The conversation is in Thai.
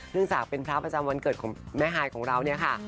จากเป็นพระประจำวันเกิดของแม่ฮายของเราเนี่ยค่ะ